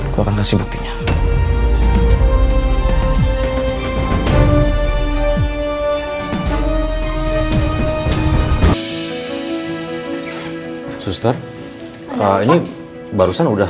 gue akan kasih buktinya